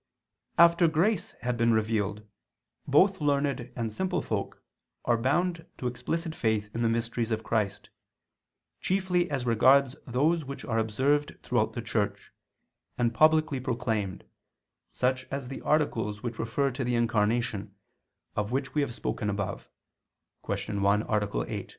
After grace had been revealed, both learned and simple folk are bound to explicit faith in the mysteries of Christ, chiefly as regards those which are observed throughout the Church, and publicly proclaimed, such as the articles which refer to the Incarnation, of which we have spoken above (Q. 1, A. 8).